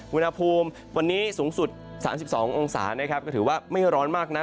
อุณหภูมิวันนี้สูงสุด๓๒องศานะครับก็ถือว่าไม่ร้อนมากนัก